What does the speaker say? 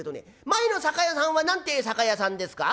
前の酒屋さんは何てえ酒屋さんですか？」。